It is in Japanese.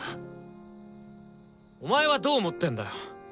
お前はどう思ってんだよ？